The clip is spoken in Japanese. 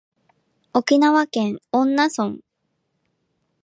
沖縄県恩納村